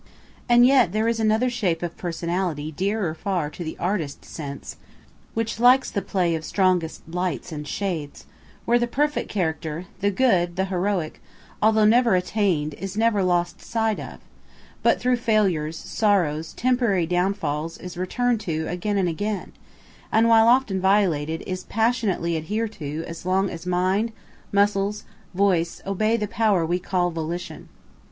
And yet there is another shape of personality dearer far to the artist sense, (which likes the play of strongest lights and shades,) where the perfect character, the good, the heroic, although never attain'd, is never lost sight of, but through failures, sorrows, temporary downfalls, is return'd to again and again, and while often violated, is passionately adhered to as long as mind, muscles, voice, obey the power we call volition.